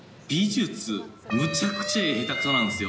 むちゃくちゃ絵下手くそなんですよ。